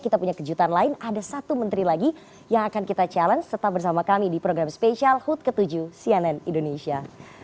kita punya kejutan lain ada satu menteri lagi yang akan kita challenge tetap bersama kami di program spesial hut ke tujuh cnn indonesia